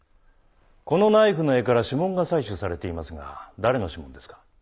このナイフの柄から指紋が採取されていますが誰の指紋ですか？